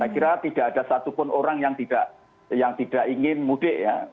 kira tidak ada satupun orang yang tidak ingin mudik